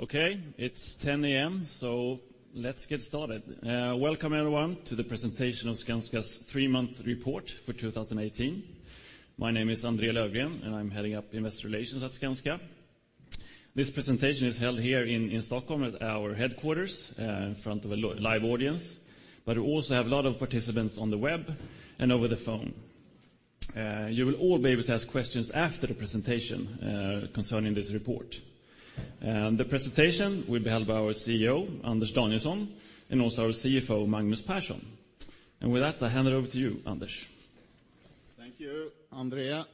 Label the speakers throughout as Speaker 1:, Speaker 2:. Speaker 1: Okay, it's 10 A.M., so let's get started. Welcome everyone to the presentation of Skanska's three-month report for 2018. My name is André Löfgren, and I'm heading up Investor Relations at Skanska. This presentation is held here in Stockholm at our headquarters in front of a live audience, but we also have a lot of participants on the web and over the phone. You will all be able to ask questions after the presentation concerning this report. The presentation will be held by our CEO, Anders Danielsson, and also our CFO, Magnus Persson. And with that, I hand it over to you, Anders.
Speaker 2: Thank you, André.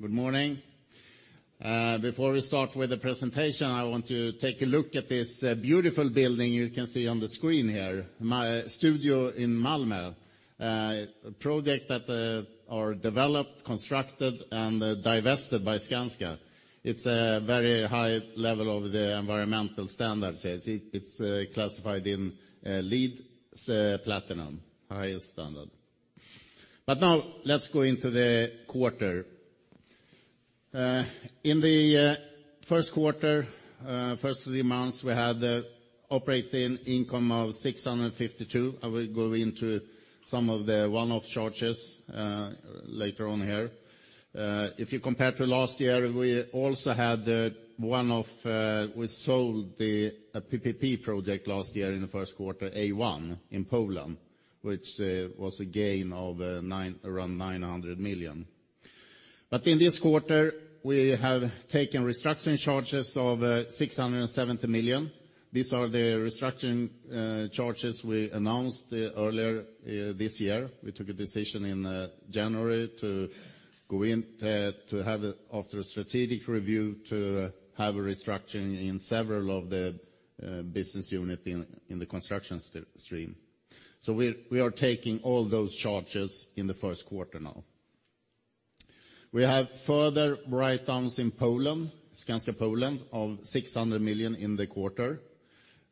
Speaker 2: Good morning. Before we start with the presentation, I want to take a look at this beautiful building you can see on the screen here, STUDIO in Malmö. A project that are developed, constructed, and divested by Skanska. It's a very high level of the environmental standards. It's classified in LEED Platinum, highest standard. But now, let's go into the quarter. In the first quarter, first three months, we had an operating income of 652 million. I will go into some of the one-off charges later on here. If you compare to last year, we also had one-off, we sold a PPP project last year in the first quarter, A1 in Poland, which was a gain of around 900 million. But in this quarter, we have taken restructuring charges of 670 million. These are the restructuring charges we announced earlier this year. We took a decision in January to go in, to have, after a strategic review, to have a restructuring in several of the business unit in the Construction stream. So we are taking all those charges in the first quarter now. We have further write-downs in Poland, Skanska Poland, of 600 million in the quarter.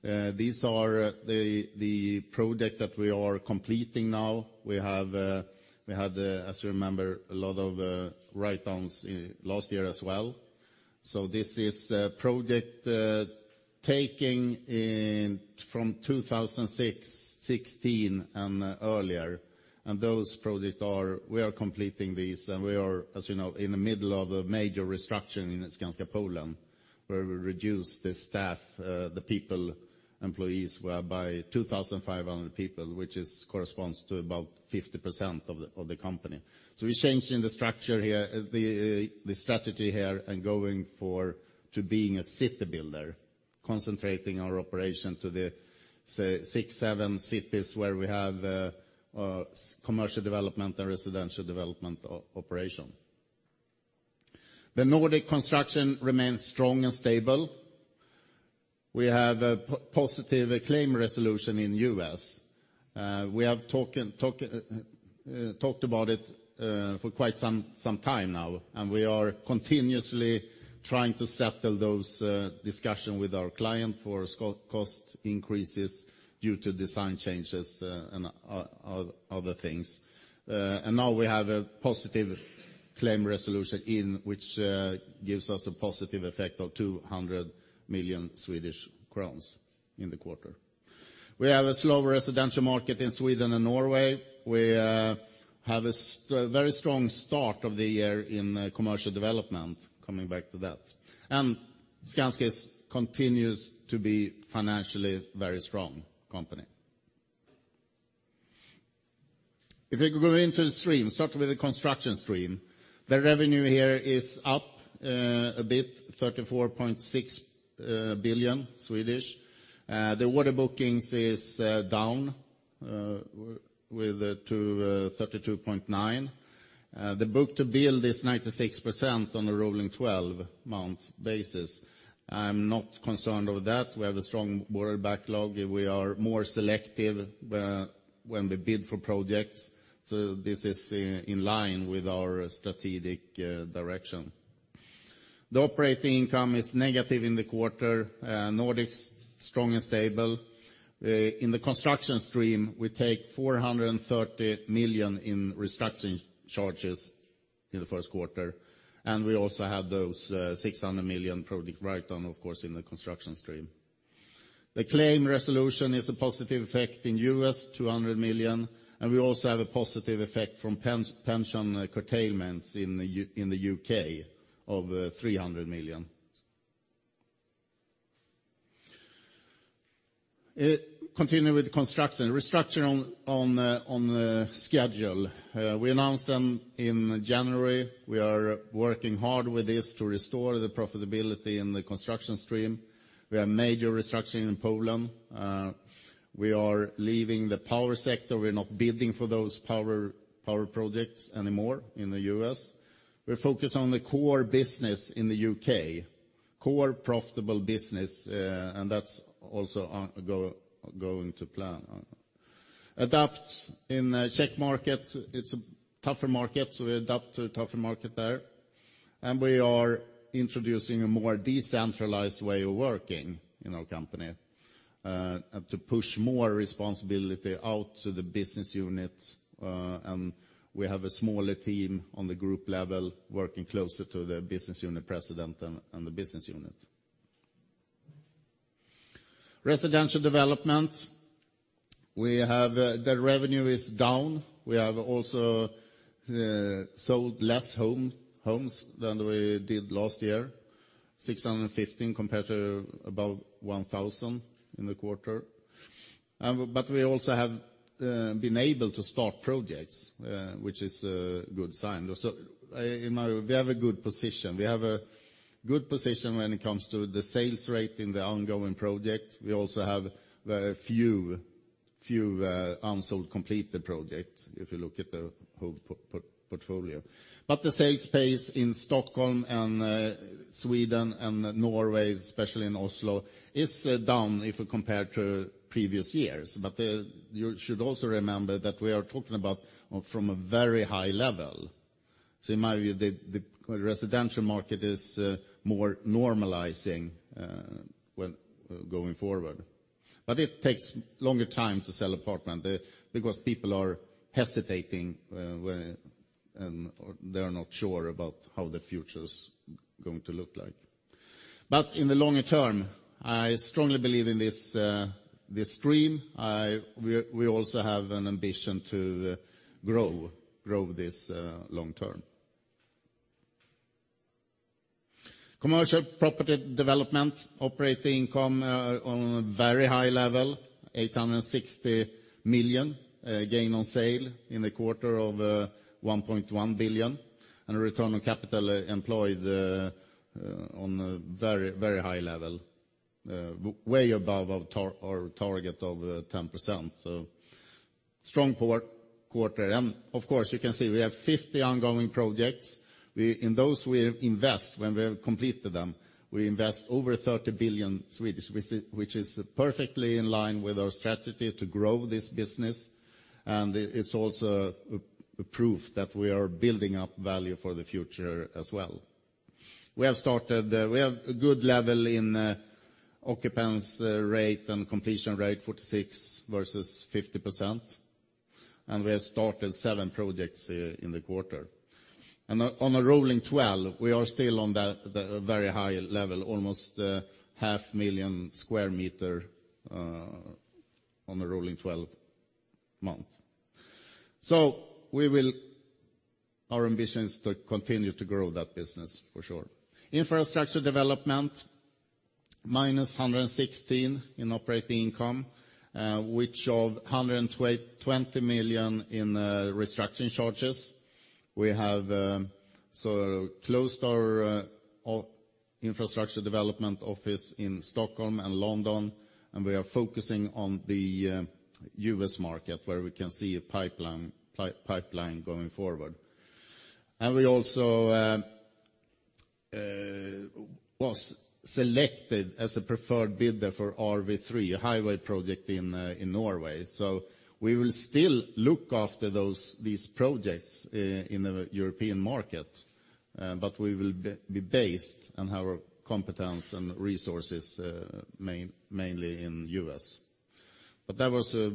Speaker 2: These are the project that we are completing now. We had, as you remember, a lot of write-downs last year as well. So this is project taking in from 2006, 2016 and earlier, and those projects are, we are completing these, and we are, as you know, in the middle of a major restructuring in Skanska Poland, where we reduce the staff, the people, employees, by 2,500 people, which corresponds to about 50% of the, of the company. So we're changing the structure here, the, the strategy here, and going for, to being a city builder, concentrating our operation to the, say, six, seven cities where we have commercial development and residential development operation. The Nordic construction remains strong and stable. We have a positive claim resolution in U.S. We have talked about it for quite some time now, and we are continuously trying to settle those discussions with our client for cost increases due to design changes and other things. And now we have a positive claim resolution in which gives us a positive effect of 200 million Swedish crowns in the quarter. We have a slower residential market in Sweden and Norway. We have a very strong start of the year in commercial development, coming back to that. And Skanska continues to be financially very strong company. If we go into the stream, start with the construction stream. The revenue here is up a bit, 34.6 billion. The order bookings is down to 32.9 billion. The book-to-build is 96% on a rolling 12-month basis. I'm not concerned over that. We have a strong order backlog, and we are more selective when, when we bid for projects, so this is in line with our strategic, direction. The operating income is negative in the quarter, Nordics, strong and stable. In the construction stream, we take 430 million in restructuring charges in the first quarter, and we also have those, 600 million project write-down, of course, in the construction stream. The claim resolution is a positive effect in U.S., 200 million, and we also have a positive effect from pension, curtailments in the in the U.K. of, SEK 300 million. Continue with the construction. Restructuring on, on, schedule. We announced them in January. We are working hard with this to restore the profitability in the construction stream. We have major restructuring in Poland. We are leaving the power sector. We're not bidding for those power projects anymore in the U.S. We're focused on the core business in the U.K., core profitable business, and that's also going to plan. Adapt in the Czech market, it's a tougher market, so we adapt to a tougher market there, and we are introducing a more decentralized way of working in our company, and to push more responsibility out to the business unit, and we have a smaller team on the group level working closer to the business unit president and the business unit. Residential development, we have, the revenue is down. We have also sold less homes than we did last year, 615 compared to about 1,000 in the quarter. But we also have been able to start projects, which is a good sign. So, in my view, we have a good position. We have a good position when it comes to the sales rate in the ongoing project. We also have very few unsold completed projects, if you look at the whole portfolio. But the sales pace in Stockholm and Sweden and Norway, especially in Oslo, is down if we compare to previous years. But you should also remember that we are talking about from a very high level. So in my view, the residential market is more normalizing when going forward. But it takes longer time to sell apartment, because people are hesitating, when and they are not sure about how the future is going to look like. But in the longer term, I strongly believe in this, this stream. We, we also have an ambition to grow, grow this long term. Commercial Property Development, operating income on a very high level, 860 million, gain on sale in the quarter of 1.1 billion, and return on capital employed on a very, very high level, way above our target of 10%. So strong quarter. And of course, you can see we have 50 ongoing projects. We, in those we invest when we have completed them, we invest over 30 billion, which is perfectly in line with our strategy to grow this business. It's also a proof that we are building up value for the future as well. We have started, we have a good level in, occupants rate and completion rate, 46% versus 50%, and we have started seven projects in the quarter. On a rolling 12, we are still on the very high level, almost 500,000 sq m on a rolling 12-month. Our ambition is to continue to grow that business for sure. Infrastructure Development, -116 million in operating income, which of 120 million in restructuring charges. We have so closed our Infrastructure Development office in Stockholm and London, and we are focusing on the U.S. market, where we can see a pipeline going forward. And we also was selected as a preferred bidder for Rv. 3, a highway project in Norway. So we will still look after those, these projects in the European market, but we will be based on our competence and resources mainly in U.S. But that was a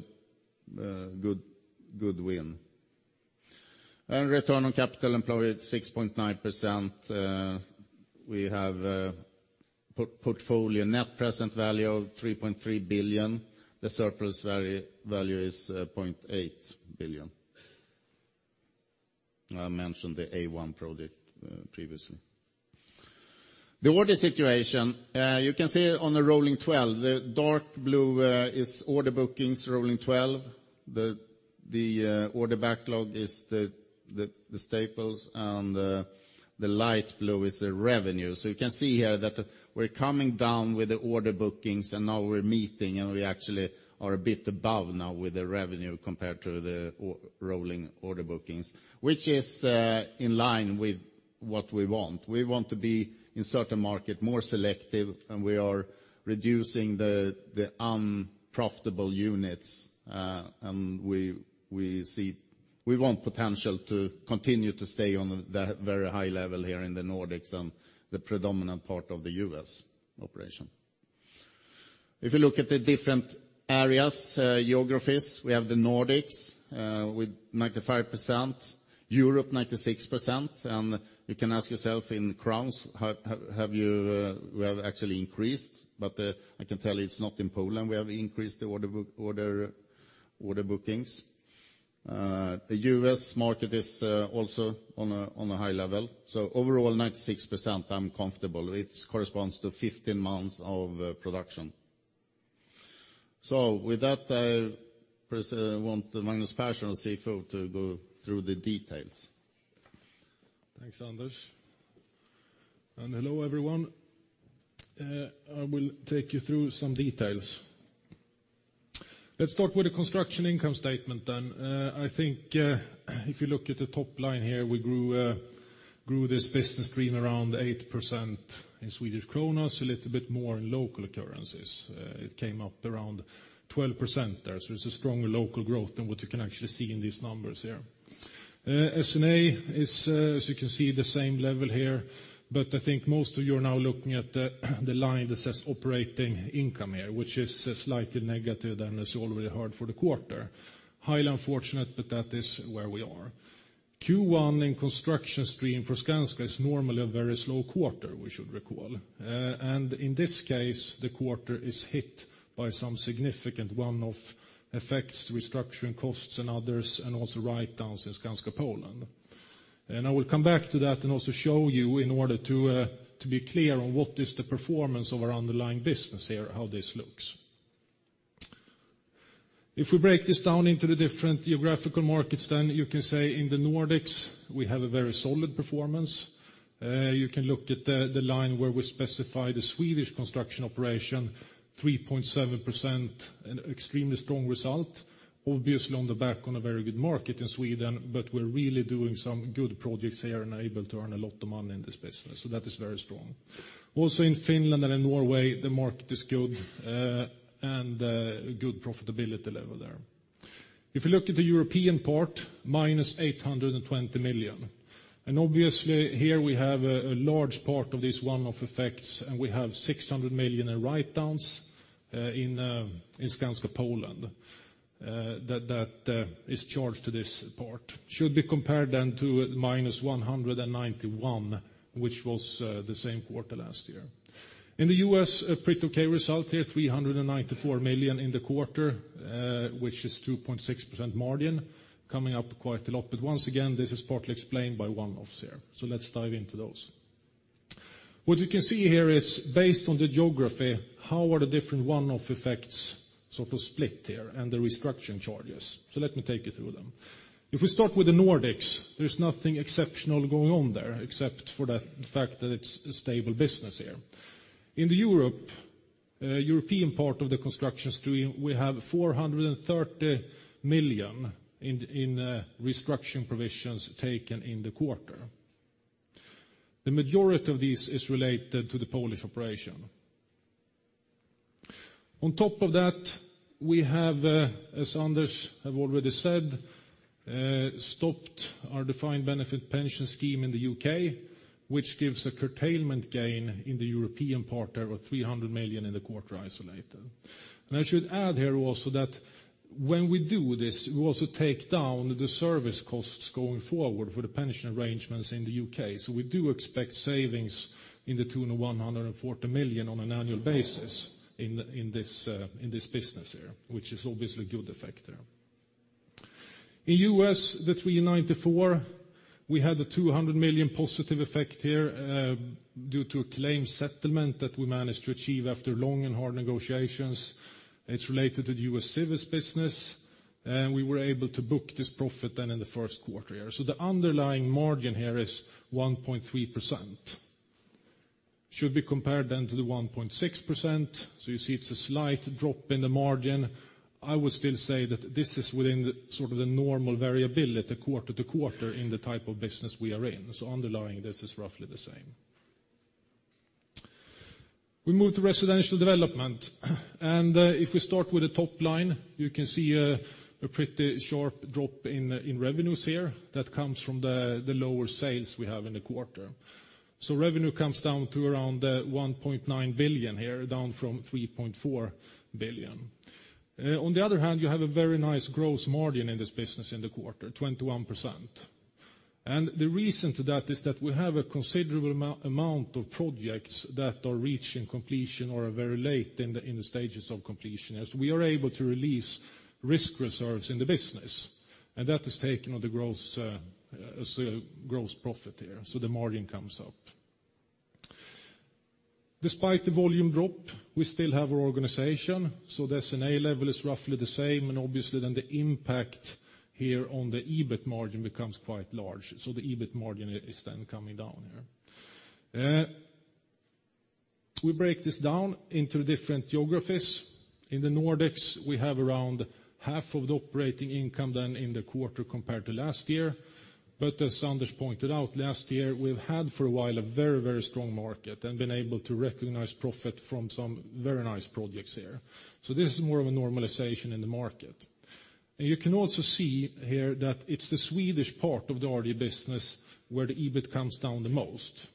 Speaker 2: good win. And return on capital employed, 6.9%, we have a portfolio net present value of 3.3 billion. The surplus value is 0.8 billion. I mentioned the A1 project previously. The order situation, you can see on the rolling 12, the dark blue, is order bookings, rolling 12. The order backlog is the staples, and the light blue is the revenue. So you can see here that we're coming down with the order bookings, and now we're meeting, and we actually are a bit above now with the revenue compared to the rolling order bookings, which is in line with what we want. We want to be, in certain market, more selective, and we are reducing the unprofitable units, and we see potential to continue to stay on the very high level here in the Nordics and the predominant part of the U.S. operation. If you look at the different areas, geographies, we have the Nordics with 95%, Europe, 96%. You can ask yourself in crowns, have you? We have actually increased, but I can tell you it's not in Poland. We have increased the order bookings. The U.S. market is also on a high level. So overall, 96%, I'm comfortable. It corresponds to 15 months of production. So with that, I want Magnus Persson, our CFO, to go through the details.
Speaker 3: Thanks, Anders. Hello, everyone. I will take you through some details. Let's start with the construction income statement then. I think, if you look at the top line here, we grew this business stream around 8% in Swedish kronor, a little bit more in local currencies. It came up around 12% there. So it's a stronger local growth than what you can actually see in these numbers here. S&A is, as you can see, the same level here, but I think most of you are now looking at the line that says operating income here, which is slightly negative, and it's already hard for the quarter. Highly unfortunate, but that is where we are. Q1 in construction stream for Skanska is normally a very slow quarter, we should recall. And in this case, the quarter is hit by some significant one-off effects, restructuring costs and others, and also write-downs in Skanska Poland. I will come back to that and also show you in order to to be clear on what is the performance of our underlying business here, how this looks. If we break this down into the different geographical markets, then you can say in the Nordics, we have a very solid performance. You can look at the line where we specify the Swedish construction operation, 3.7%, an extremely strong result. Obviously, on the back of a very good market in Sweden, but we're really doing some good projects here and are able to earn a lot of money in this business, so that is very strong. Also, in Finland and in Norway, the market is good, and good profitability level there. If you look at the European part, -820 million. Obviously, here we have a large part of this one-off effects, and we have 600 million in write-downs in Skanska Poland, that, that is charged to this part. Should be compared then to -191 million, which was the same quarter last year. In the U.S., a pretty okay result here, 394 million in the quarter, which is 2.6% margin, coming up quite a lot. But once again, this is partly explained by one-offs here. Let's dive into those. What you can see here is based on the geography, how are the different one-off effects sort of split here and the restructuring charges? So let me take you through them. If we start with the Nordics, there's nothing exceptional going on there, except for the fact that it's a stable business here. In the European part of the construction stream, we have 430 million in restructuring provisions taken in the quarter. The majority of this is related to the Polish operation. On top of that, we have, as others have already said, stopped our defined benefit pension scheme in the U.K., which gives a curtailment gain in the European part there of 300 million in the quarter isolated. And I should add here also that when we do this, we also take down the service costs going forward for the pension arrangements in the UK. So we do expect savings in the tune of 140 million on an annual basis in this business here, which is obviously a good effect there. In the U.S., the 394 million, we had a 200 million positive effect here due to a claim settlement that we managed to achieve after long and hard negotiations. It's related to the U.S. Civils business, and we were able to book this profit then in the first quarter here. So the underlying margin here is 1.3%. Should be compared then to the 1.6%, so you see it's a slight drop in the margin. I would still say that this is within the, sort of the normal variability quarter-to-quarter in the type of business we are in. So underlying, this is roughly the same. We move to residential development, and if we start with the top line, you can see a pretty sharp drop in revenues here. That comes from the lower sales we have in the quarter. So revenue comes down to around 1.9 billion here, down from 3.4 billion. On the other hand, you have a very nice gross margin in this business in the quarter, 21%. And the reason to that is that we have a considerable amount of projects that are reaching completion or are very late in the stages of completion. As we are able to release risk reserves in the business, and that is taken on the gross, so gross profit here, so the margin comes up. Despite the volume drop, we still have our organization, so the S&A level is roughly the same, and obviously, then the impact here on the EBIT margin becomes quite large. So the EBIT margin is then coming down here. We break this down into different geographies. In the Nordics, we have around half of the operating income than in the quarter compared to last year. But as Anders pointed out last year, we've had for a while a very, very strong market and been able to recognize profit from some very nice projects there. So this is more of a normalization in the market. You can also see here that it's the Swedish part of the RD business where the EBIT comes down the most,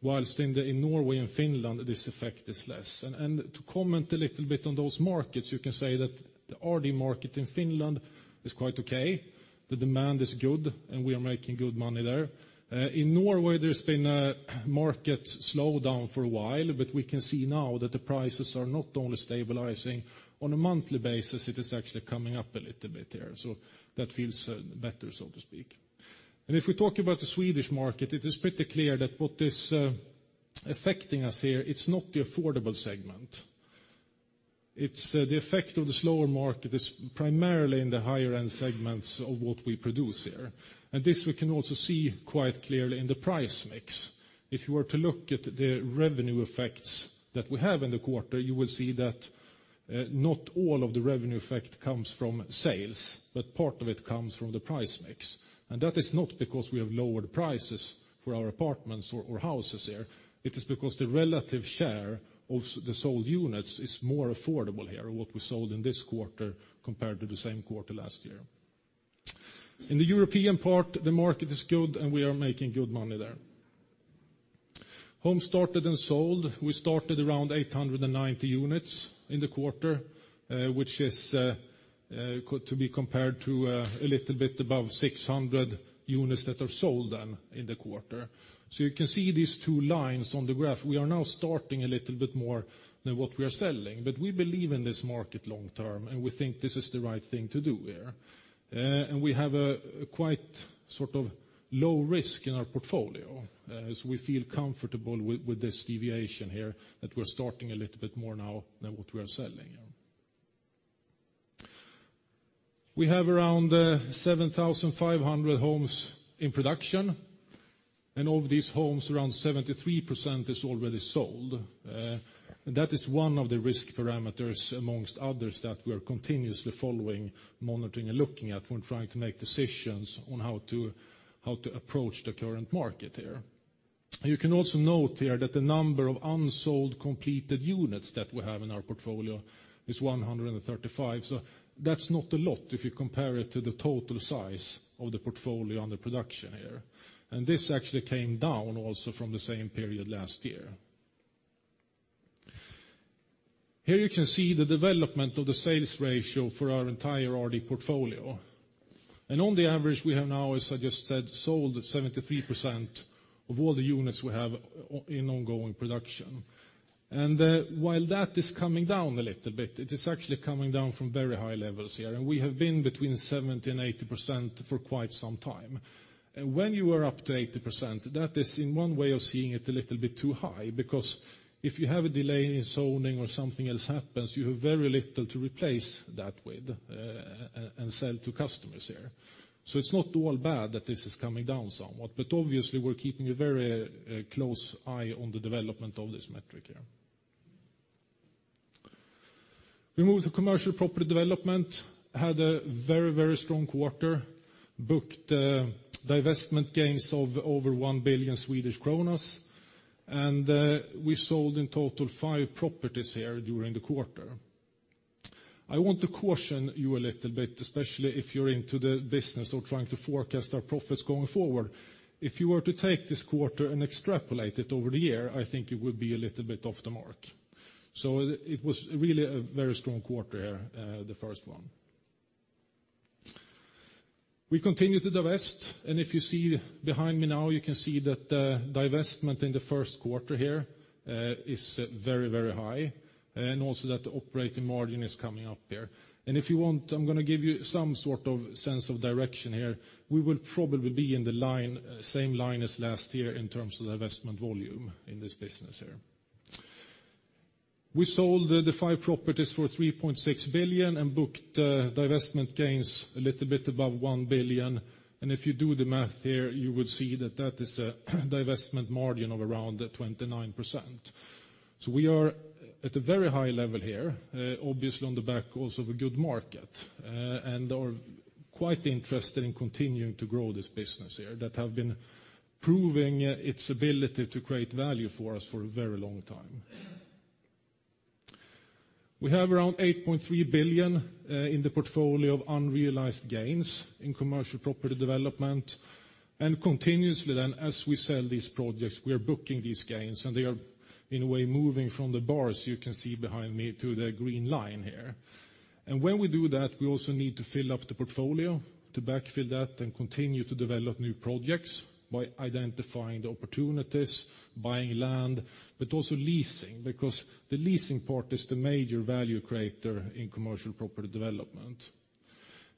Speaker 3: while in Norway and Finland, this effect is less. And to comment a little bit on those markets, you can say that the RD market in Finland is quite okay. The demand is good, and we are making good money there. In Norway, there's been a market slowdown for a while, but we can see now that the prices are not only stabilizing. On a monthly basis, it is actually coming up a little bit there, so that feels better, so to speak. And if we talk about the Swedish market, it is pretty clear that what is affecting us here, it's not the affordable segment. It's the effect of the slower market is primarily in the higher-end segments of what we produce here. And this we can also see quite clearly in the price mix. If you were to look at the revenue effects that we have in the quarter, you will see that not all of the revenue effect comes from sales, but part of it comes from the price mix. And that is not because we have lowered prices for our apartments or houses here. It is because the relative share of the sold units is more affordable here, what we sold in this quarter compared to the same quarter last year. In the European part, the market is good, and we are making good money there.... Homes started and sold, we started around 890 units in the quarter, which is to be compared to a little bit above 600 units that are sold then in the quarter. So you can see these two lines on the graph. We are now starting a little bit more than what we are selling, but we believe in this market long term, and we think this is the right thing to do here. And we have a quite sort of low risk in our portfolio, as we feel comfortable with this deviation here, that we're starting a little bit more now than what we are selling. We have around 7,500 homes in production, and of these homes, around 73% is already sold. And that is one of the risk parameters among others that we are continuously following, monitoring, and looking at when trying to make decisions on how to, how to approach the current market here. You can also note here that the number of unsold completed units that we have in our portfolio is 135. So that's not a lot if you compare it to the total size of the portfolio on the production here. And this actually came down also from the same period last year. Here you can see the development of the sales ratio for our entire RD portfolio. And on the average, we have now, as I just said, sold 73% of all the units we have in ongoing production. And while that is coming down a little bit, it is actually coming down from very high levels here. We have been between 70% and 80% for quite some time. When you are up to 80%, that is in one way of seeing it a little bit too high, because if you have a delay in zoning or something else happens, you have very little to replace that with, and sell to customers here. So it's not all bad that this is coming down somewhat, but obviously, we're keeping a very close eye on the development of this metric here. We move to commercial property development, had a very, very strong quarter, booked divestment gains of over 1 billion, and we sold in total five properties here during the quarter. I want to caution you a little bit, especially if you're into the business or trying to forecast our profits going forward. If you were to take this quarter and extrapolate it over the year, I think it would be a little bit off the mark. So it was really a very strong quarter here, the first one. We continue to divest, and if you see behind me now, you can see that, divestment in the first quarter here, is very, very high, and also that the operating margin is coming up here. And if you want, I'm going to give you some sort of sense of direction here. We will probably be in the line, same line as last year in terms of the investment volume in this business here. We sold the five properties for 3.6 billion and booked divestment gains a little bit above 1 billion. If you do the math here, you would see that that is a divestment margin of around 29%. So we are at a very high level here, obviously on the back also of a good market, and are quite interested in continuing to grow this business here, that have been proving its ability to create value for us for a very long time. We have around 8.3 billion in the portfolio of unrealized gains in commercial property development, and continuously then, as we sell these projects, we are booking these gains, and they are, in a way, moving from the bars you can see behind me to the green line here. And when we do that, we also need to fill up the portfolio, to backfill that and continue to develop new projects by identifying the opportunities, buying land, but also leasing, because the leasing part is the major value creator in commercial property development.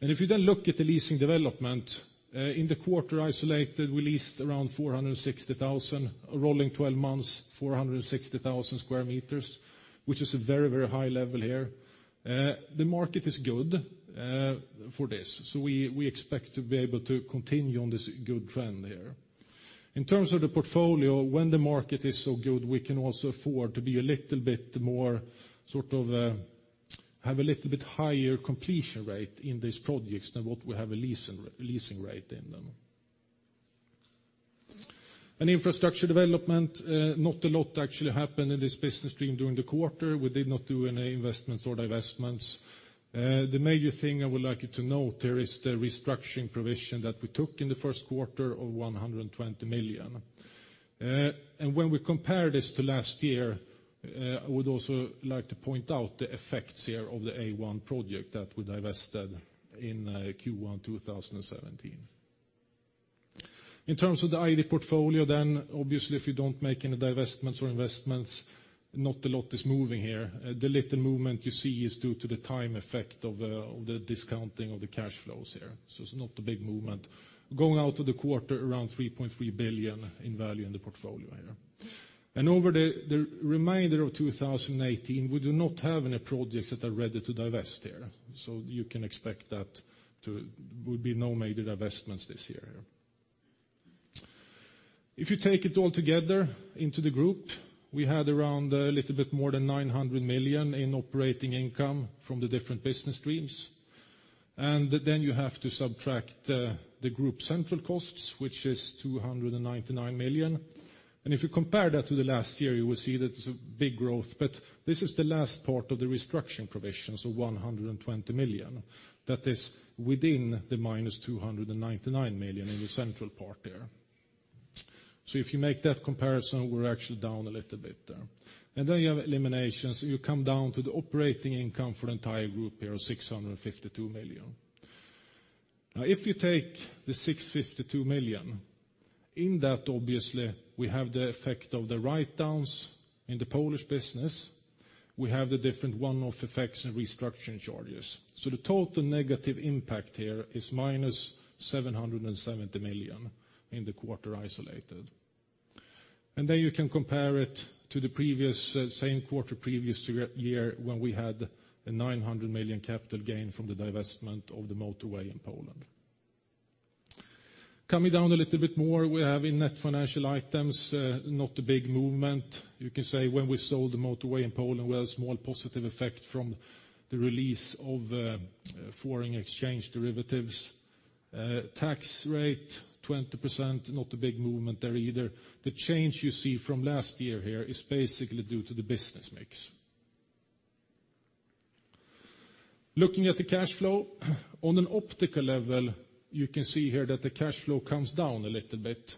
Speaker 3: And if you then look at the leasing development, in the quarter isolated, we leased around 460,000, rolling 12-months, 460,000 sq m, which is a very, very high level here. The market is good, for this, so we expect to be able to continue on this good trend here. In terms of the portfolio, when the market is so good, we can also afford to be a little bit more, sort of, have a little bit higher completion rate in these projects than what we have a leasing rate in them. And infrastructure development, not a lot actually happened in this business stream during the quarter. We did not do any investments or divestments. The major thing I would like you to note there is the restructuring provision that we took in the first quarter of 120 million. And when we compare this to last year, I would also like to point out the effects here of the A1 project that we divested in Q1 2017. In terms of the ID portfolio, then obviously, if you don't make any divestments or investments, not a lot is moving here. The little movement you see is due to the time effect of, of the discounting of the cash flows here. So it's not a big movement. Going out to the quarter, around 3.3 billion in value in the portfolio here. And over the remainder of 2018, we do not have any projects that are ready to divest here. So you can expect that to... will be no major divestments this year. If you take it all together into the group, we had around a little bit more than 900 million in operating income from the different business streams. And then you have to subtract the group central costs, which is 299 million. And if you compare that to the last year, you will see that it's a big growth, but this is the last part of the restructuring provision, so 120 million. That is within the -299 million in the central part there... So if you make that comparison, we're actually down a little bit there. And then you have eliminations, you come down to the operating income for the entire group here of 652 million. Now, if you take the 652 million, in that, obviously, we have the effect of the write-downs in the Polish business. We have the different one-off effects and restructuring charges. So the total negative impact here is -770 million in the quarter isolated. Then you can compare it to the previous, same quarter, previous year, year when we had 900 million capital gain from the divestment of the motorway in Poland. Coming down a little bit more, we have in net financial items, not a big movement. You can say when we sold the motorway in Poland, we had a small positive effect from the release of, foreign exchange derivatives. Tax rate, 20%, not a big movement there either. The change you see from last year here is basically due to the business mix. Looking at the cash flow, on an overall level, you can see here that the cash flow comes down a little bit,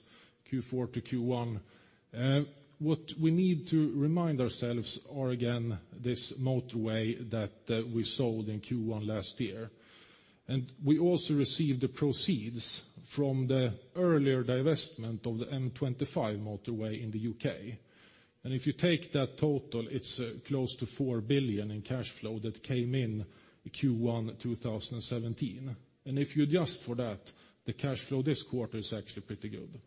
Speaker 3: Q4 to Q1. What we need to remind ourselves are, again, this motorway that, we sold in Q1 last year. We also received the proceeds from the earlier divestment of the M25 motorway in the U.K. If you take that total, it's close to 4 billion in cash flow that came in Q1 2017. If you adjust for that, the cash flow this quarter is actually pretty good.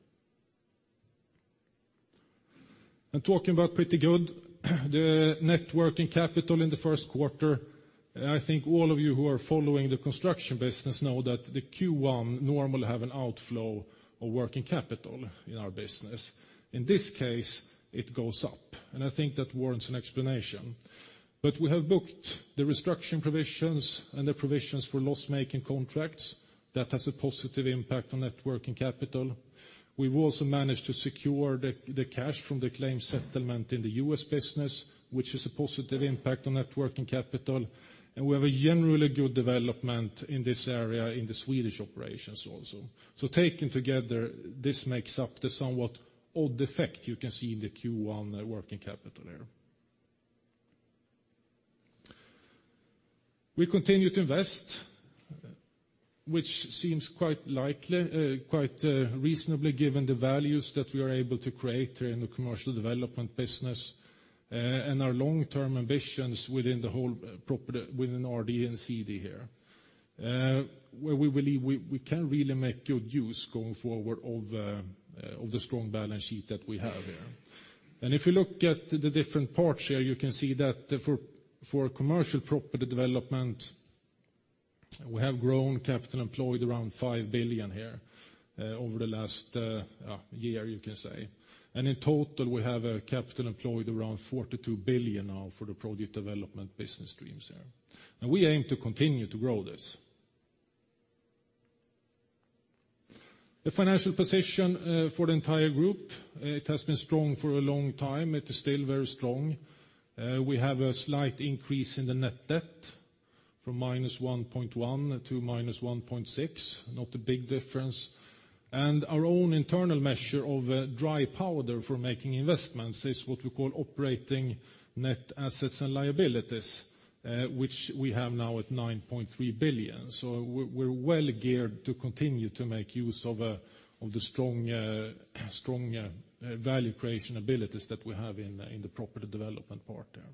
Speaker 3: Talking about pretty good, the net working capital in the first quarter, I think all of you who are following the construction business know that the Q1 normally have an outflow of working capital in our business. In this case, it goes up, and I think that warrants an explanation. But we have booked the restructuring provisions and the provisions for loss-making contracts. That has a positive impact on net working capital. We've also managed to secure the cash from the claim settlement in the U.S. business, which is a positive impact on net working capital. We have a generally good development in this area in the Swedish operations also. Taken together, this makes up the somewhat odd effect you can see in the Q1 working capital there. We continue to invest, which seems quite reasonably given the values that we are able to create in the commercial development business, and our long-term ambitions within the whole property within RD and CD here. Where we believe we can really make good use going forward of the strong balance sheet that we have here. If you look at the different parts here, you can see that for commercial property development, we have grown capital employed around 5 billion here over the last year, you can say. In total, we have capital employed around 42 billion now for the project development business streams here. We aim to continue to grow this. The financial position for the entire group, it has been strong for a long time. It is still very strong. We have a slight increase in the net debt from -1.1 billion to -1.6 billion, not a big difference. Our own internal measure of dry powder for making investments is what we call operating net assets and liabilities, which we have now at 9.3 billion. So we're, we're well geared to continue to make use of of the strong, strong value creation abilities that we have in in the property development part there.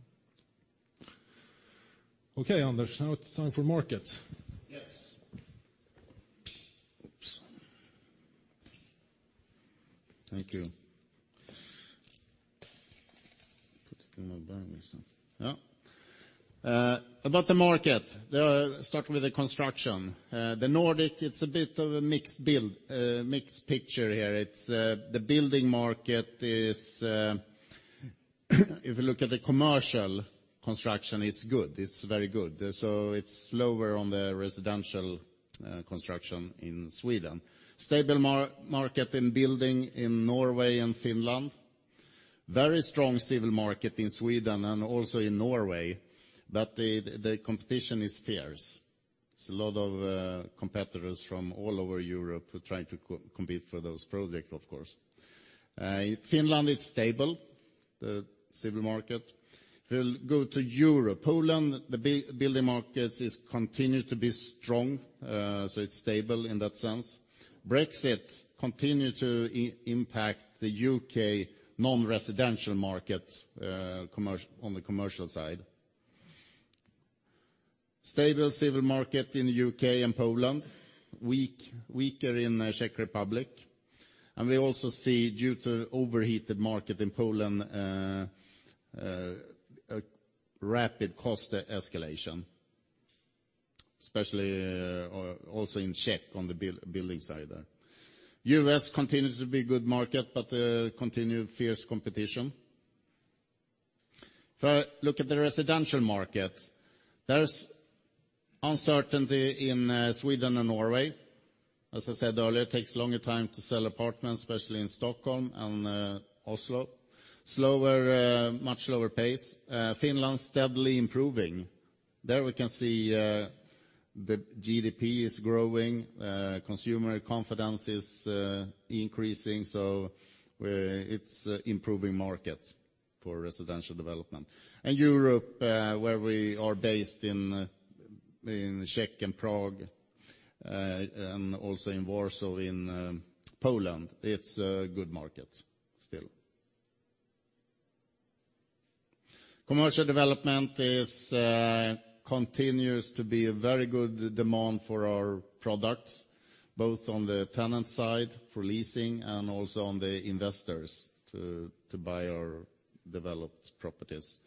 Speaker 3: Okay, Anders, now it's time for markets.
Speaker 2: Yes. Oops. Thank you. Put it in my bag or something. Yeah. About the market, start with the construction. The Nordic, it's a bit of a mixed bag, mixed picture here. It's, the building market is, if you look at the commercial construction, it's good. It's very good. So it's slower on the residential construction in Sweden. Stable market in building in Norway and Finland. Very strong civil market in Sweden and also in Norway, but the competition is fierce. There's a lot of competitors from all over Europe who are trying to compete for those projects, of course. Finland is stable, the civil market. We'll go to Europe. Poland, the building market is continued to be strong, so it's stable in that sense. Brexit continues to impact the U.K. non-residential market, on the commercial side. Stable civil market in the U.K. and Poland, weaker in the Czech Republic. We also see, due to an overheated market in Poland, a rapid cost escalation, especially also in Czech on the building side there. U.S. continues to be a good market, but continue fierce competition. If I look at the residential market, there's uncertainty in Sweden and Norway. As I said earlier, it takes a longer time to sell apartments, especially in Stockholm and Oslo. Slower, much slower pace. Finland, steadily improving. There, we can see, the GDP is growing, consumer confidence is increasing, so it's improving markets for residential development. Europe, where we are based in Czech Republic and Prague, and also in Warsaw, in Poland, it's a good market still. Commercial development is, continues to be a very good demand for our products, both on the tenant side for leasing and also on the investors to buy our developed properties.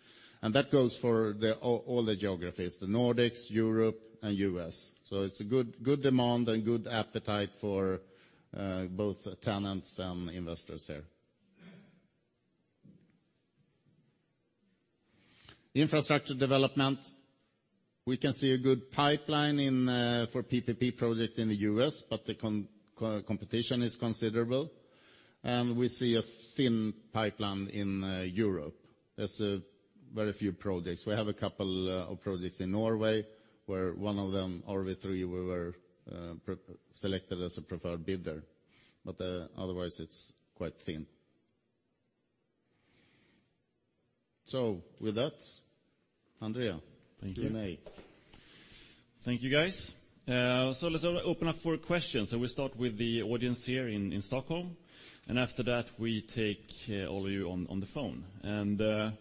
Speaker 2: That goes for all the geographies, the Nordics, Europe, and U.S. It's a good, good demand and good appetite for both tenants and investors there. Infrastructure development, we can see a good pipeline for PPP projects in the U.S, but the competition is considerable. We see a thin pipeline in Europe. There's very few projects. We have a couple of projects in Norway, where one of them, Rv. 3, we were selected as a preferred bidder. But, otherwise, it's quite thin. So with that, André. Thank you.
Speaker 1: Thank you, guys. So let's open up for questions, and we'll start with the audience here in Stockholm. And after that, we take all of you on the phone. And,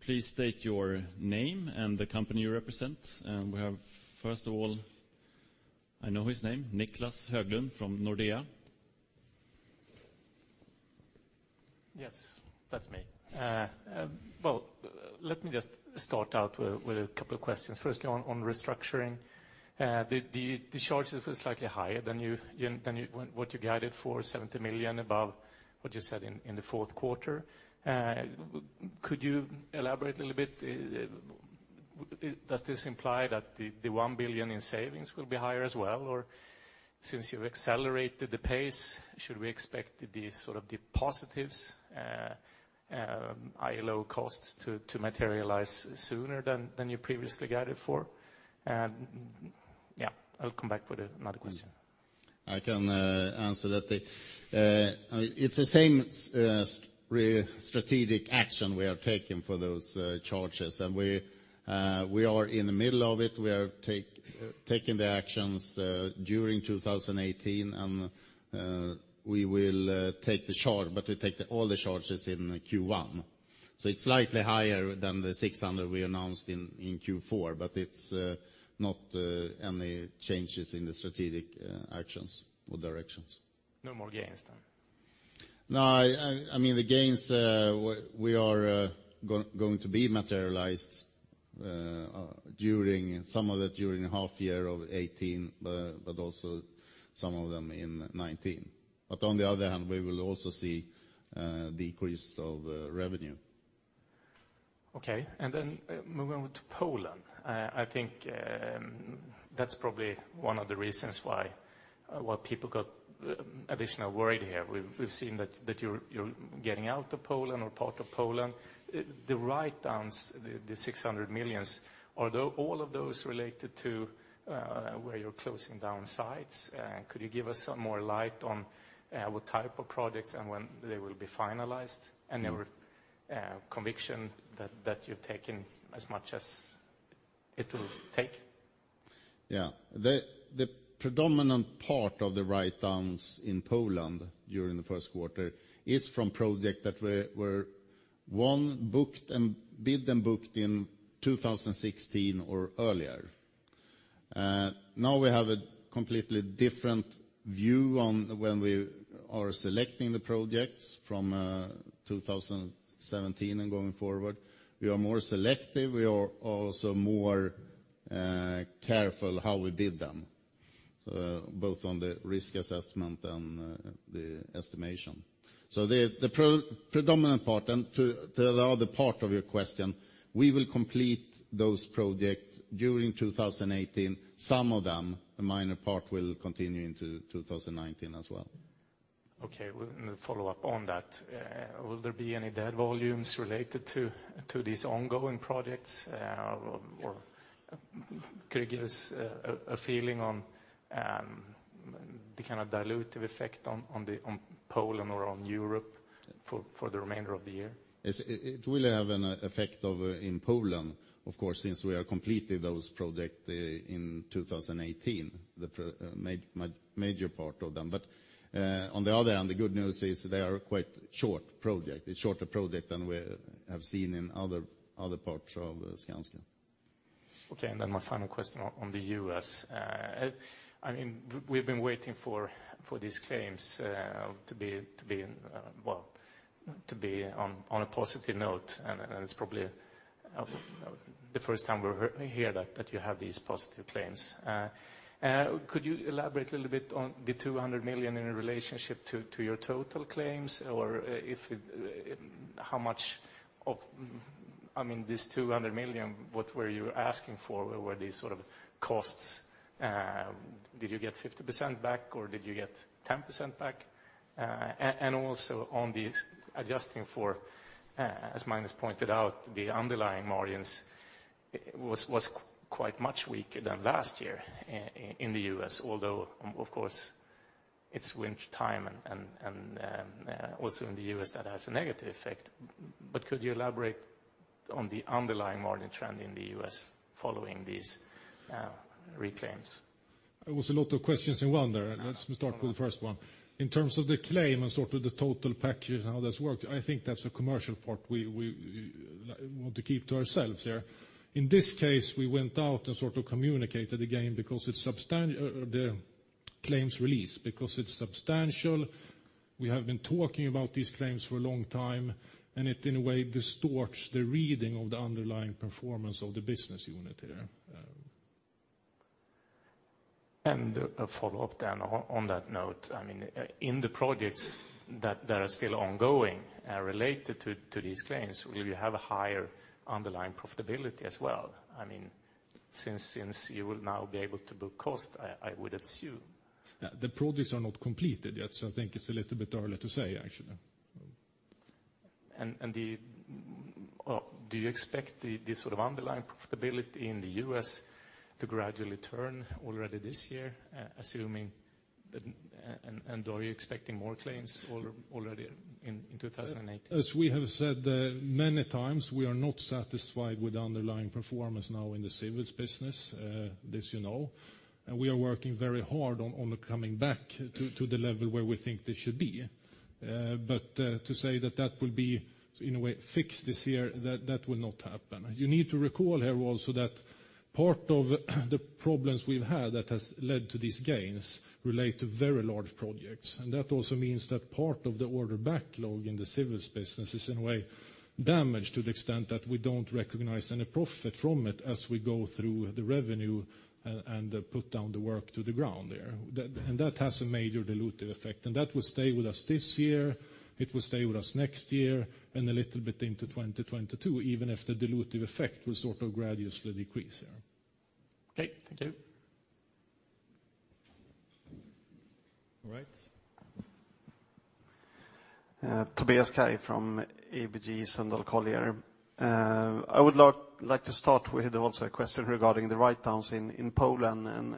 Speaker 1: please state your name and the company you represent. And we have, first of all, I know his name, Niclas Höglund from Nordea.
Speaker 4: Yes, that's me. Well, let me just start out with a couple of questions. Firstly, on restructuring. The charges were slightly higher than what you guided for, 70 million above what you said in the fourth quarter. Could you elaborate a little bit? Does this imply that the 1 billion in savings will be higher as well? Or since you've accelerated the pace, should we expect the positives, sort of, the high, low costs to materialize sooner than you previously guided for? Yeah, I'll come back with another question.
Speaker 2: I can answer that. It's the same strategic action we have taken for those charges, and we are in the middle of it. We are taking the actions during 2018, and we will take the charge, but we take all the charges in Q1. So it's slightly higher than the 600 we announced in Q4, but it's not any changes in the strategic actions or directions.
Speaker 4: No more gains then?
Speaker 2: No, I mean, the gains we are going to be materialized during some of it, during the half year of 2018, but also some of them in 2019. But on the other hand, we will also see decrease of revenue.
Speaker 4: Okay. Moving on to Poland, I think that's probably one of the reasons why people got additional worried here. We've seen that you're getting out of Poland or part of Poland. The write-downs, the 600 million, are all of those related to where you're closing down sites? Could you give us some more light on what type of projects and when they will be finalized? And your conviction that you're taking as much as it will take.
Speaker 2: Yeah. The predominant part of the write-downs in Poland during the first quarter is from projects that were won, booked and bid and booked in 2016 or earlier. Now we have a completely different view on when we are selecting the projects from 2017 and going forward. We are more selective. We are also more careful how we bid them both on the risk assessment and the estimation. So the predominant part, and to the other part of your question, we will complete those projects during 2018. Some of them, a minor part, will continue into 2019 as well.
Speaker 4: Okay, well, and a follow-up on that. Will there be any dead volumes related to these ongoing projects? Or could you give us a feeling on the kind of dilutive effect on Poland or on Europe for the remainder of the year?
Speaker 2: Yes, it will have an effect in Poland, of course, since we are completing those projects in 2018, the major part of them. But on the other hand, the good news is they are quite short projects, shorter projects than we have seen in other parts of Skanska.
Speaker 4: Okay, and then my final question on the U.S. I mean, we've been waiting for these claims to be well, to be on a positive note, and it's probably the first time we hear that you have these positive claims. Could you elaborate a little bit on the 200 million in relationship to your total claims? Or, if it... How much of, I mean, this 200 million, what were you asking for? Were they sort of costs, did you get 50% back, or did you get 10% back? And also on these adjusting for, as Magnus pointed out, the underlying margins was quite much weaker than last year in the U.S., although, of course, it's winter time, and also in the U.S., that has a negative effect. But could you elaborate on the underlying margin trend in the U.S. following these reclaims?
Speaker 3: It was a lot of questions in one there. Let's start with the first one. In terms of the claim and sort of the total package and how this worked, I think that's a commercial part we want to keep to ourselves here. In this case, we went out and sort of communicated again because it's the claims release, because it's substantial. We have been talking about these claims for a long time, and it, in a way, distorts the reading of the underlying performance of the business unit here.
Speaker 4: And a follow-up then on that note, I mean, in the projects that are still ongoing, related to these claims, will you have a higher underlying profitability as well? I mean, since you will now be able to book cost, I would assume.
Speaker 3: Yeah, the projects are not completed yet, so I think it's a little bit early to say, actually.
Speaker 4: Do you expect this sort of underlying profitability in the U.S. to gradually turn already this year, assuming that... And are you expecting more claims already in 2018?
Speaker 3: As we have said many times, we are not satisfied with the underlying performance now in the civils business. This you know, and we are working very hard on coming back to the level where we think this should be. But to say that that will be, in a way, fixed this year, that will not happen. You need to recall here also that part of the problems we've had that has led to these gains relate to very large projects, and that also means that part of the order backlog in the civils business is, in a way, damaged to the extent that we don't recognize any profit from it as we go through the revenue and put down the work to the ground there. And that has a major dilutive effect, and that will stay with us this year, it will stay with us next year, and a little bit into 2022, even if the dilutive effect will sort of gradually decrease there.
Speaker 4: Okay, thank you.
Speaker 5: All right. Tobias Kaj from ABG Sundal Collier. I would like to start with also a question regarding the write-downs in Poland, and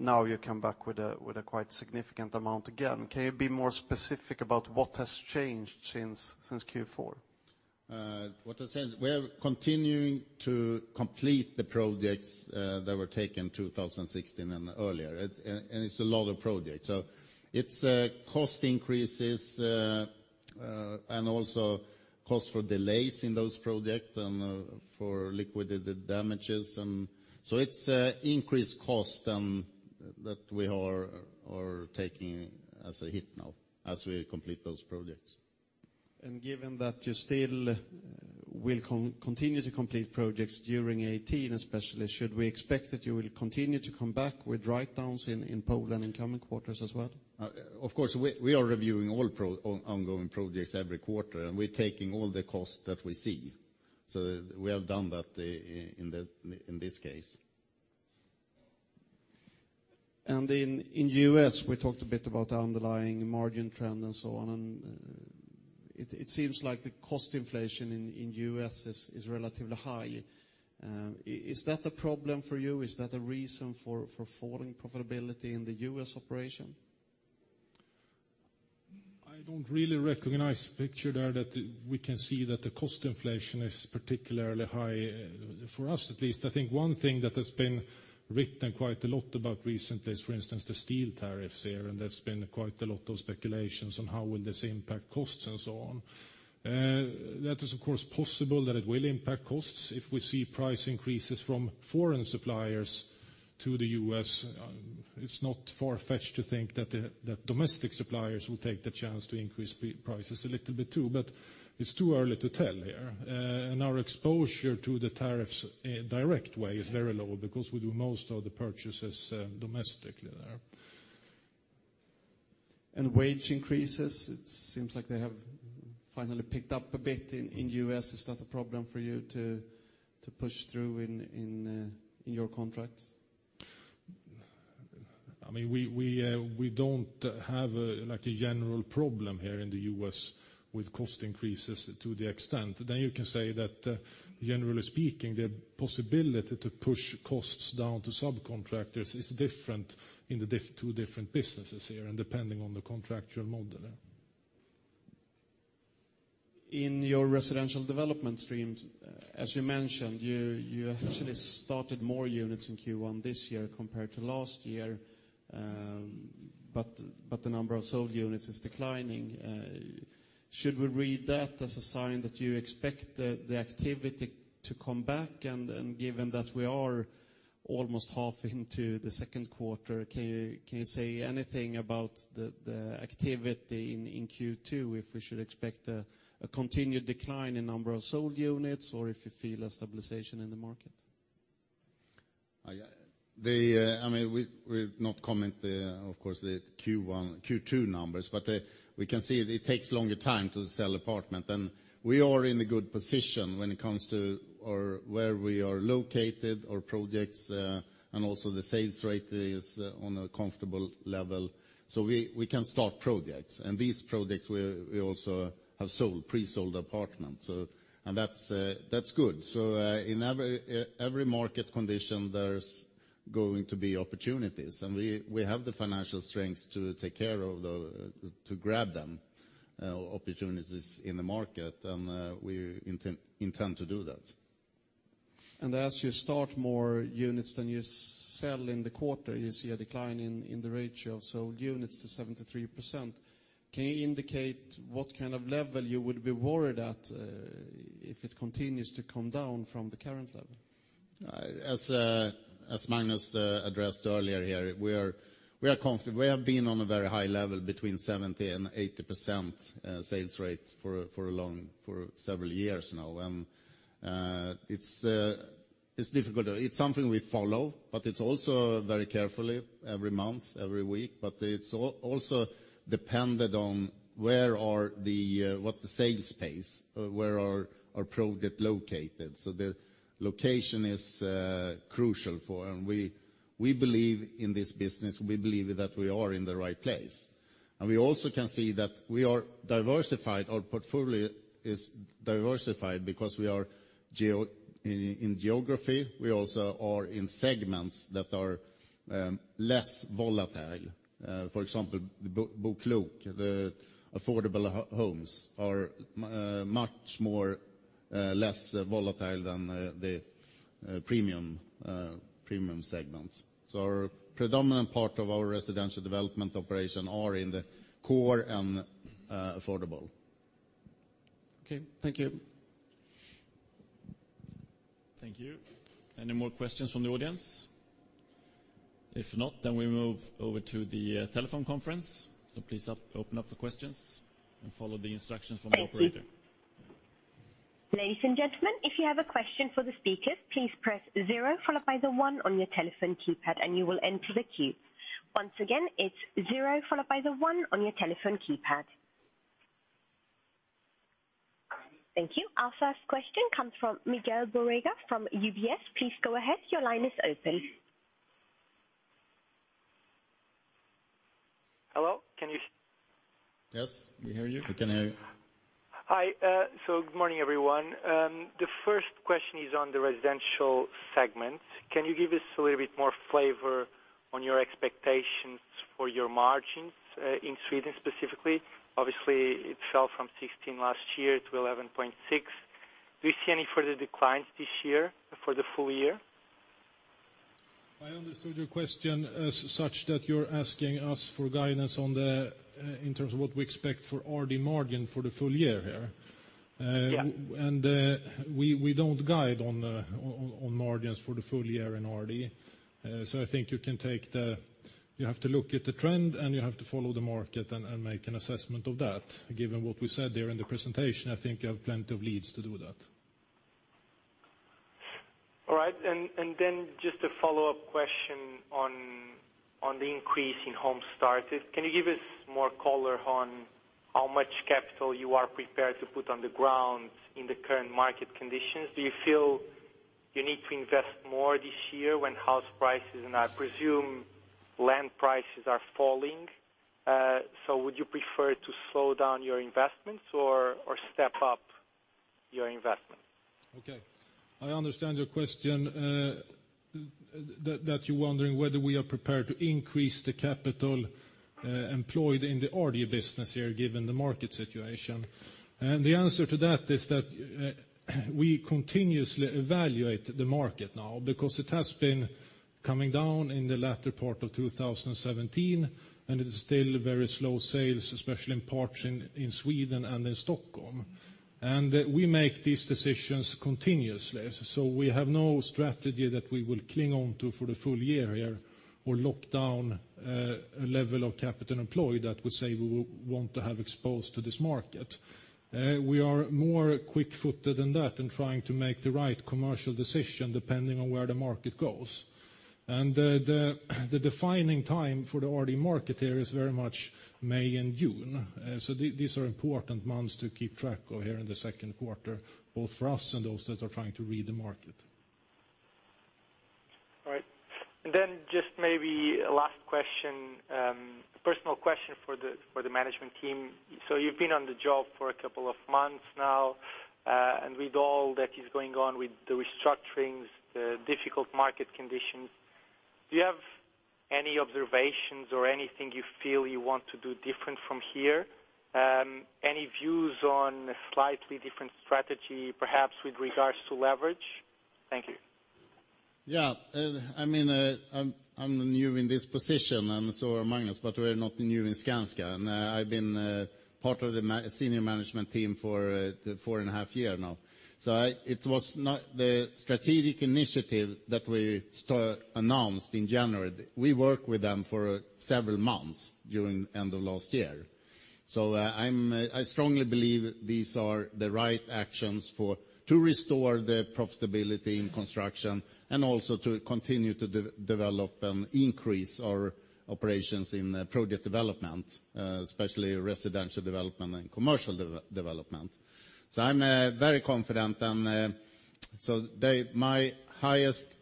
Speaker 5: now you come back with a quite significant amount again. Can you be more specific about what has changed since Q4?
Speaker 2: What has changed? We are continuing to complete the projects that were taken 2016 and earlier. It's a lot of projects. So it's cost increases and also cost for delays in those projects and for liquidated damages. And so it's increased cost that we are taking as a hit now as we complete those projects.
Speaker 5: Given that you still will continue to complete projects during 2018 especially, should we expect that you will continue to come back with write-downs in Poland in coming quarters as well?
Speaker 2: Of course, we are reviewing all ongoing projects every quarter, and we're taking all the costs that we see. So we have done that in this case.
Speaker 5: In U.S., we talked a bit about the underlying margin trend and so on, and it seems like the cost inflation in U.S. is relatively high. Is that a problem for you? Is that a reason for falling profitability in the U.S. operation?
Speaker 3: I don't really recognize the picture there, that we can see that the cost inflation is particularly high. For us, at least, I think one thing that has been written quite a lot about recently is, for instance, the steel tariffs here, and there's been quite a lot of speculations on how will this impact costs and so on. That is, of course, possible that it will impact costs if we see price increases from foreign suppliers to the U.S. It's not far-fetched to think that the domestic suppliers will take the chance to increase prices a little bit, too, but it's too early to tell here. And our exposure to the tariffs in a direct way is very low because we do most of the purchases domestically there.
Speaker 5: Wage increases, it seems like they have finally picked up a bit in the U.S. Is that a problem for you to push through in your contracts?
Speaker 3: I mean, we don't have a, like, a general problem here in the U.S. with cost increases to the extent. Then you can say that, generally speaking, the possibility to push costs down to subcontractors is different in the two different businesses here and depending on the contractual model.
Speaker 5: In your residential development streams, as you mentioned, you actually started more units in Q1 this year compared to last year, but the number of sold units is declining. Should we read that as a sign that you expect the activity to come back? And given that we are almost half into the second quarter, can you say anything about the activity in Q2, if we should expect a continued decline in number of sold units, or if you feel a stabilization in the market?
Speaker 2: I mean, we not comment the, of course, the Q1, Q2 numbers, but we can see it takes longer time to sell apartment. We are in a good position when it comes to or where we are located, our projects, and also the sales rate is on a comfortable level. We can start projects. These projects we also have sold, pre-sold apartments. That's good. In every, every market condition, there's going to be opportunities, and we have the financial strength to take care of the, to grab them, opportunities in the market, and we intend, intend to do that.
Speaker 5: As you start more units than you sell in the quarter, you see a decline in the ratio of sold units to 73%. Can you indicate what kind of level you would be worried at, if it continues to come down from the current level?
Speaker 2: As Magnus addressed earlier here, we are confident. We have been on a very high level, between 70%-80% sales rate for several years now. And it's difficult. It's something we follow, but it's also very carefully, every month, every week. But it's also dependent on where are the what the sales pace, where are our project located. So the location is crucial for... And we believe in this business, we believe that we are in the right place. And we also can see that we are diversified. Our portfolio is diversified because we are in geography. We also are in segments that are less volatile. For example, BoKlok, the affordable homes are much more less volatile than the premium premium segments. So our predominant part of our residential development operation are in the core and affordable.
Speaker 5: Okay. Thank you.
Speaker 1: Thank you. Any more questions from the audience? If not, then we move over to the telephone conference. So please open up for questions and follow the instructions from the operator.
Speaker 6: Thank you. Ladies and gentlemen, if you have a question for the speakers, please press zero, followed by the one on your telephone keypad, and you will enter the queue. Once again, it's zero, followed by the one on your telephone keypad. Thank you. Our first question comes from Miguel Borrega from UBS. Please go ahead. Your line is open.
Speaker 7: Hello, can you hear me?
Speaker 2: Yes, we hear you.
Speaker 3: We can hear you.
Speaker 7: Hi, good morning, everyone. The first question is on the residential segment. Can you give us a little bit more flavor on your expectations for your margins, in Sweden specifically? Obviously, it fell from 16 last year to 11.6. Do you see any further declines this year for the full year?
Speaker 3: I understood your question as such that you're asking us for guidance on the, in terms of what we expect for RD margin for the full year here.
Speaker 7: Yeah.
Speaker 3: And we don't guide on margins for the full year in RD. So I think you can take the... You have to look at the trend, and you have to follow the market and make an assessment of that. Given what we said there in the presentation, I think you have plenty of leads to do that.
Speaker 7: All right. Then just a follow-up question on the increase in homes started. Can you give us more color on how much capital you are prepared to put on the ground in the current market conditions? Do you feel you need to invest more this year when house prices, and I presume land prices, are falling? So would you prefer to slow down your investments or step up your investment?
Speaker 3: Okay, I understand your question, that you're wondering whether we are prepared to increase the capital employed in the RD business here, given the market situation. And the answer to that is that we continuously evaluate the market now because it has been coming down in the latter part of 2017, and it is still very slow sales, especially in parts in Sweden and in Stockholm. And we make these decisions continuously, so we have no strategy that we will cling on to for the full year here or lock down a level of capital employed that would say we would want to have exposed to this market. We are more quick-footed than that in trying to make the right commercial decision, depending on where the market goes. The defining time for the RD market here is very much May and June. So these are important months to keep track of here in the second quarter, both for us and those that are trying to read the market.
Speaker 7: All right. And then just maybe a last question, a personal question for the management team. So you've been on the job for a couple of months now, and with all that is going on with the restructurings, the difficult market conditions, do you have any observations or anything you feel you want to do different from here? Any views on a slightly different strategy, perhaps with regards to leverage? Thank you.
Speaker 2: Yeah, I mean, I'm new in this position, and so is Magnus, but we're not new in Skanska. And I've been part of the senior management team for four and half years now. So it was not the strategic initiative that we announced in January. We worked with them for several months during end of last year. So I strongly believe these are the right actions to restore the profitability in construction and also to continue to develop and increase our operations in project development, especially residential development and commercial development. So I'm very confident. So my highest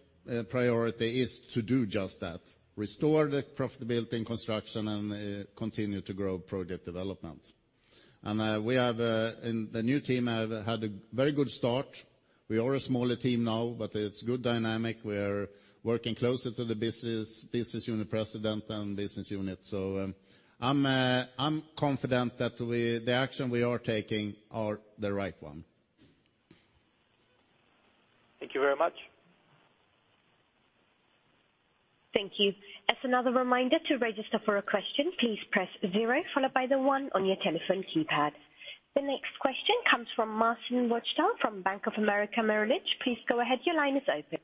Speaker 2: priority is to do just that, restore the profitability in construction and continue to grow project development. And we have and the new team have had a very good start. We are a smaller team now, but it's good dynamic. We're working closer to the business, business unit president and business unit. So, I'm confident that the action we are taking are the right one.
Speaker 7: Thank you very much.
Speaker 6: Thank you. As another reminder, to register for a question, please press zero followed by the one on your telephone keypad. The next question comes from Marcin Wojtal from Bank of America Merrill Lynch. Please go ahead. Your line is open.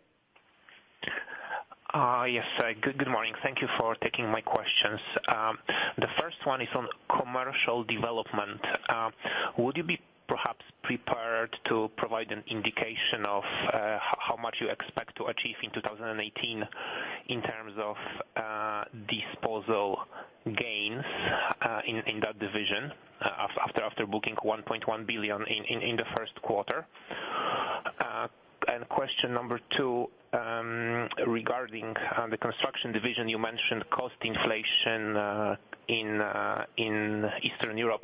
Speaker 8: Yes. Good morning. Thank you for taking my questions. The first one is on commercial development. Would you be perhaps prepared to provide an indication of how much you expect to achieve in 2018, in terms of disposal gains, in that division, after booking 1.1 billion in the first quarter? Question number two, regarding the construction division, you mentioned cost inflation in Eastern Europe,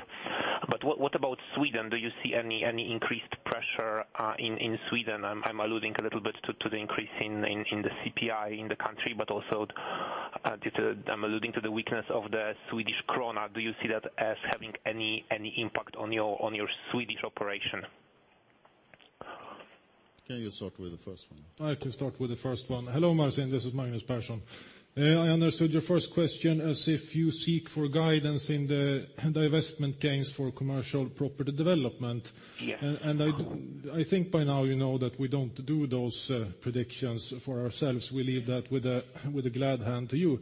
Speaker 8: but what about Sweden? Do you see any increased pressure in Sweden? I'm alluding a little bit to the increase in the CPI in the country, but also due to... I'm alluding to the weakness of the Swedish kronor. Do you see that as having any impact on your Swedish operation?
Speaker 2: Can you start with the first one?
Speaker 3: I can start with the first one. Hello, Marcin, this is Magnus Persson. I understood your first question as if you seek for guidance in the divestment gains for commercial property development.
Speaker 8: Yeah.
Speaker 3: I think by now you know that we don't do those predictions for ourselves. We leave that with a glad hand to you.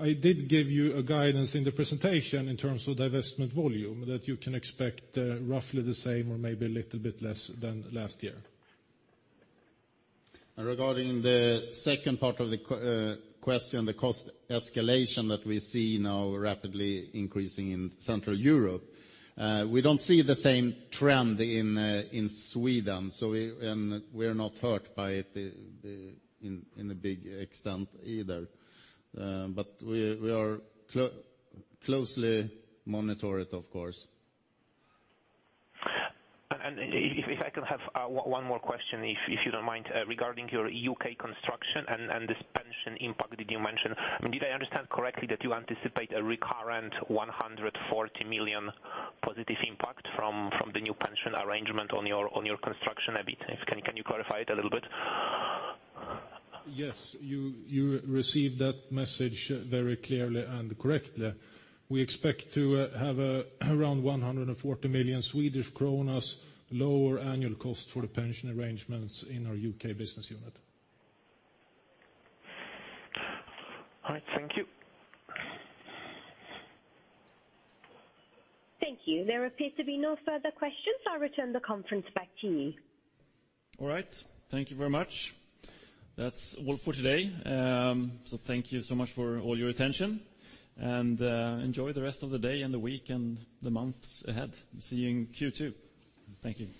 Speaker 3: I did give you a guidance in the presentation in terms of divestment volume, that you can expect roughly the same or maybe a little bit less than last year.
Speaker 2: And regarding the second part of the question, the cost escalation that we see now rapidly increasing in Central Europe, we don't see the same trend in Sweden. So we, and we're not hurt by it, in a big extent either. But we, we are closely monitor it, of course.
Speaker 8: If I can have one more question, if you don't mind, regarding your U.K. construction and this pension impact that you mentioned. I mean, did I understand correctly that you anticipate a recurrent 140 million positive impact from the new pension arrangement on your construction EBIT? Can you clarify it a little bit?
Speaker 3: Yes, you received that message very clearly and correctly. We expect to have around 140 million Swedish kronor lower annual cost for the pension arrangements in our U.K. business unit.
Speaker 8: All right. Thank you.
Speaker 6: Thank you. There appear to be no further questions. I'll return the conference back to you.
Speaker 1: All right. Thank you very much. That's all for today. So thank you so much for all your attention, and enjoy the rest of the day and the week and the months ahead. See you in Q2. Thank you.